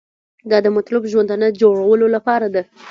دا د مطلوب ژوندانه جوړولو لپاره ده.